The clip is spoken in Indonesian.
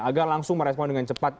agak langsung merespon dengan cepat